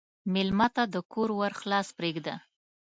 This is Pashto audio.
مېلمه ته د کور ور خلاص پرېږده.